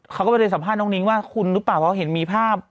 เขาก็ไปเลยสัมภาษณ์น้องนิ้งว่าคุณหรือเปล่าเพราะเห็นมีภาพ